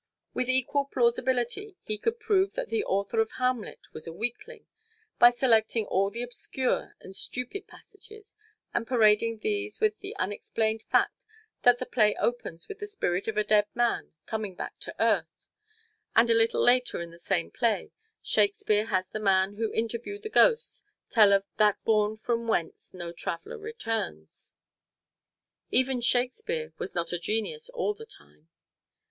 With equal plausibility we could prove that the author of Hamlet was a weakling, by selecting all the obscure and stupid passages, and parading these with the unexplained fact that the play opens with the spirit of a dead man coming back to earth, and a little later in the same play Shakespeare has the man who interviewed the ghost tell of "that bourne from whence no traveler returns." Even Shakespeare was not a genius all the time.